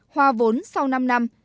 hòa vốn sau năm năm